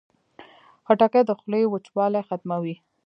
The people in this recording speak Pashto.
خټکۍ د خولې وچوالی ختموي.